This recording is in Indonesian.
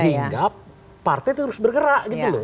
sehingga partai terus bergerak gitu loh